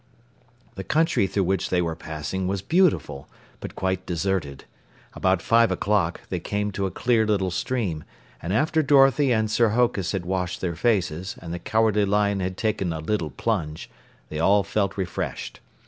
The country through which they were passing was beautiful, but quite deserted. About five o'clock, they came to a clear little stream, and after Dorothy and Sir Hokus had washed their faces and the Cowardly Lion had taken a little plunge, they all felt refreshed.